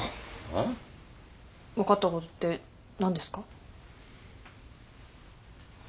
えっ？分かったことって何ですか？